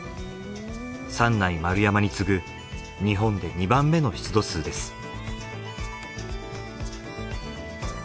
三内丸山に次ぐ日本で２番目の出土数です。